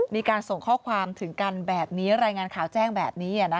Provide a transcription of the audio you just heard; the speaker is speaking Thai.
มีการส่งข้อความถึงกันแบบนี้รายงานข่าวแจ้งแบบนี้